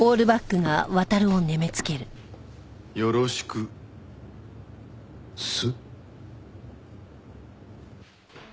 よろしくっす。